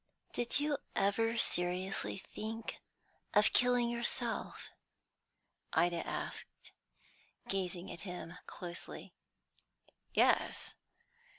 "Did you ever seriously think of killing yourself?" Ida asked, gazing at him closely. "Yes.